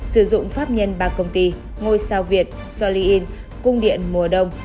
sử dụng pháp nhân bạc công ty ngôi sao việt solyin cung điện mùa đông